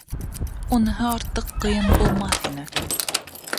Уныһы артыҡ ҡыйын булмаҫ ине.